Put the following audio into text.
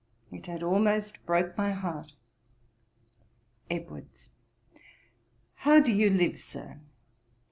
It had almost broke my heart.' EDWARDS. 'How do you live, Sir?